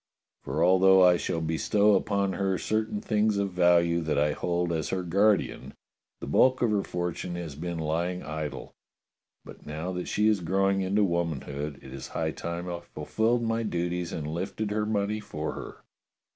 ^ For although I shall bestow upon her certain things of value that I hold as her guardian, the bulk of her fortune has been lying idle, but now that she is growing into womanhood, it is high time I fulfilled my duties and lifted her money for her."